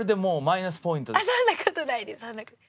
そんな事ないです。